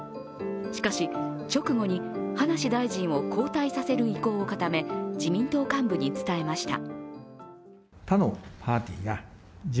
しかし直後に葉梨大臣を交代させる意向を固め自民党幹部に伝えました。